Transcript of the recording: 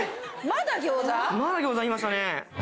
まだ餃子いましたね。